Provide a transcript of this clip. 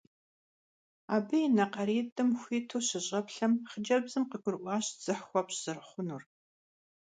Абы и нэ къаритӀым хуиту щыщӀэплъэм, хъыджэбзым къыгурыӀуащ дзыхь хуэпщӀ зэрыхъунур.